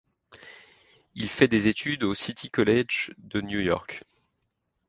Il fait des études au City College of New York.